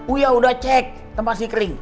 uya udah cek tempat si kring